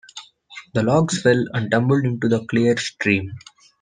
The logs fell and tumbled into the clear stream.